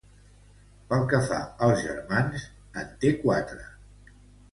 Pel que fa als germans, en té quatre.